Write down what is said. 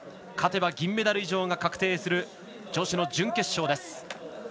勝てば銀メダル以上が確定する女子の準決勝です。